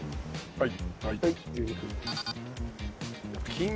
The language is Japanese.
はい。